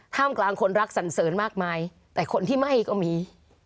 มกลางคนรักสันเสริญมากมายแต่คนที่ไม่ก็มี